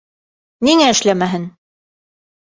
Ниңә эшләмәһен?